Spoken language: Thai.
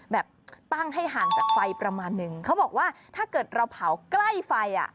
แบบตั้งให้ห่างจากไฟประมาณนึงเขาบอกว่าถ้าเกิดเราเผาใกล้ไฟอ่ะ